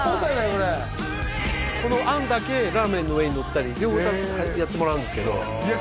これこのあんだけラーメンの上にのったり両方やってもらうんですけどいや